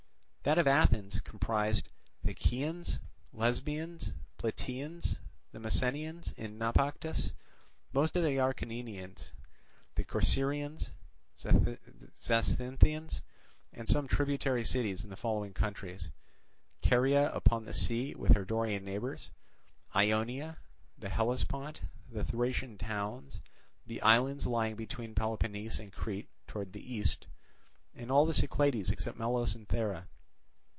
That of Athens comprised the Chians, Lesbians, Plataeans, the Messenians in Naupactus, most of the Acarnanians, the Corcyraeans, Zacynthians, and some tributary cities in the following countries, viz., Caria upon the sea with her Dorian neighbours, Ionia, the Hellespont, the Thracian towns, the islands lying between Peloponnese and Crete towards the east, and all the Cyclades except Melos and Thera.